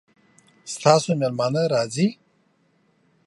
ستاسو میلمانه راځي؟